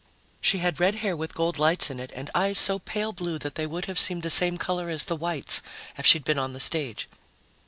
She had red hair with gold lights in it and eyes so pale blue that they would have seemed the same color as the whites if she'd been on the stage.